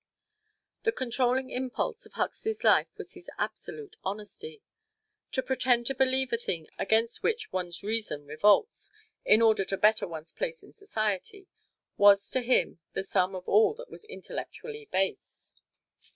The controlling impulse of Huxley's life was his absolute honesty. To pretend to believe a thing against which one's reason revolts, in order to better one's place in society, was to him the sum of all that was intellectually base.